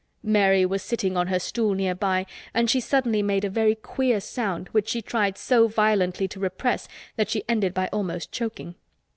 Mary was sitting on her stool nearby and she suddenly made a very queer sound which she tried so violently to repress that she ended by almost choking.